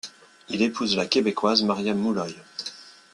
Il épouse la québecquoise Maria Mulloy.